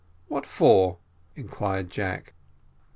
"What for?" inquired Jack.